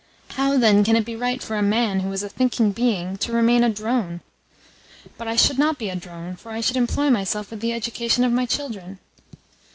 How, then, can it be right for a man who is a thinking being to remain a drone?" "But I should not be a drone, for I should employ myself with the education of my children."